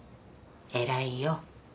偉いよ。